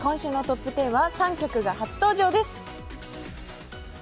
今週のトップ１０は３曲が初登場です